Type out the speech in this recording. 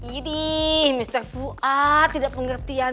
iiih mister fuad tidak pengertian pisang